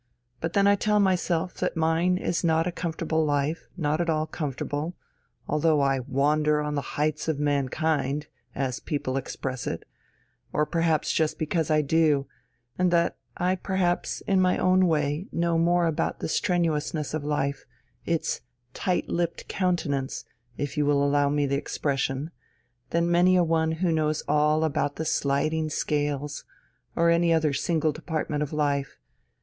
But then I tell myself that mine is not a comfortable life, not at all comfortable, although I 'wander on the heights of mankind,' as people express it, or perhaps just because I do, and that I perhaps in my own way know more about the strenuousness of life, its 'tight lipped countenance,' if you will allow me the expression, than many a one who knows all about the sliding scales or any other single department of life.